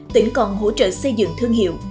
tỉnh còn hỗ trợ xây dựng thương hiệu